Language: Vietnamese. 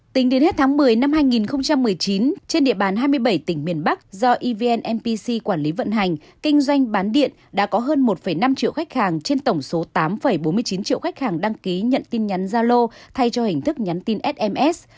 tính đến hết tháng một mươi năm hai nghìn một mươi chín trên địa bàn hai mươi bảy tỉnh miền bắc do evn mpc quản lý vận hành kinh doanh bán điện đã có hơn một năm triệu khách hàng trên tổng số tám bốn mươi chín triệu khách hàng đăng ký nhận tin nhắn gia lô thay cho hình thức nhắn tin sms